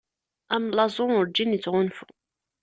Amellaẓu urǧin ittɣunfu.